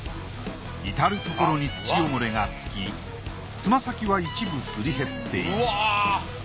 いたるところに土汚れがつきつま先は一部すり減っている。